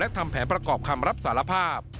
ทำแผนประกอบคำรับสารภาพ